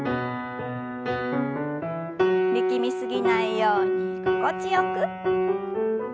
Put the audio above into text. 力み過ぎないように心地よく。